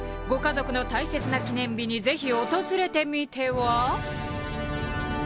ご家族の大切な記念日にぜひ訪れてみては？